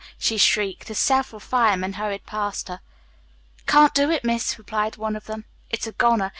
she shrieked, as several firemen hurried past her. "Can't do it, miss," replied one of them. "It's a goner.